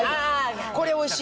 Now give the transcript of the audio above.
これおいしい！